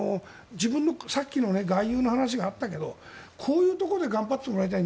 さっきの外遊の話があったけどこういうところで頑張ってもらいたい。